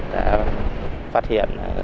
đã phát hiện